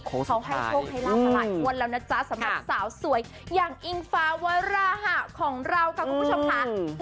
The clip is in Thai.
เขาให้โชคให้ลาบมาหลายงวดแล้วนะจ๊ะสำหรับสาวสวยอย่างอิงฟ้าวราหะของเราค่ะคุณผู้ชมค่ะ